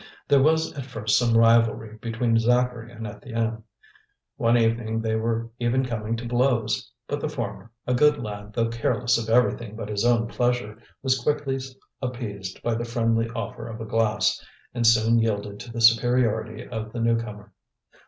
There was at first some rivalry between Zacharie and Étienne. One evening they were even coming to blows. But the former, a good lad though careless of everything but his own pleasure, was quickly appeased by the friendly offer of a glass, and soon yielded to the superiority of the new comer.